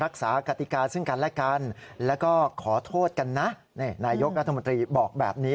ขอโทษกันนะนายกนัธมาธริบอกแบบนี้